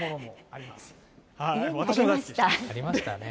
ありましたよね。